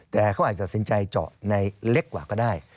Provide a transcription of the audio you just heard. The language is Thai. แต่เขาอาจจะตัดสินใจเจาะในเล็กกว่าก็ได้